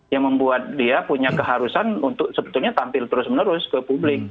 yang membuat dia punya keharusan untuk sebetulnya tampil terus menerus ke publik